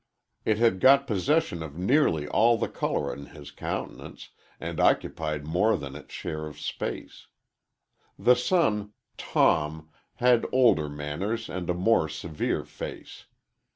It had got possession of nearly all the color in his countenance, and occupied more than its share of space. The son, "Tom," had older manners and a more severe face.